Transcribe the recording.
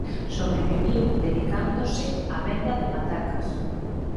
Sobreviviu dedicándose á venda de patacas.